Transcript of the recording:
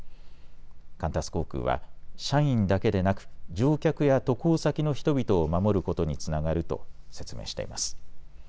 カンタス航空は社員だけでなく乗客や渡航先の人々を守ることにつながると説明しています。